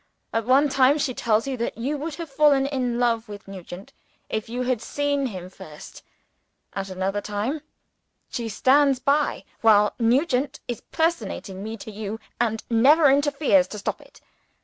At one time, she tells you that you would have fallen in love with Nugent, if you had seen him first. At another time, she stands by while Nugent is personating me to you, and never interferes to stop it.